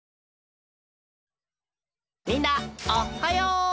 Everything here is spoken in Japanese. みんなおっはよう！